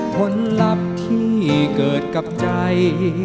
ผลลัพธ์ที่เกิดกับใจ